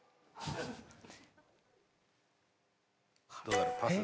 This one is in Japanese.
どうだろう？パス？